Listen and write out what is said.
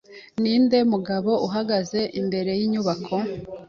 Ninde mugabo uhagaze imbere yinyubako?